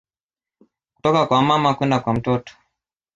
Kutoka kwa mama kwenda kwa mtoto